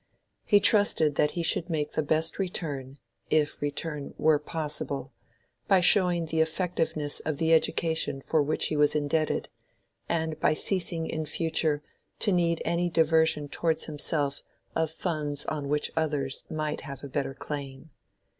He trusted that he should make the best return, if return were possible, by showing the effectiveness of the education for which he was indebted, and by ceasing in future to need any diversion towards himself of funds on which others might have a better claim.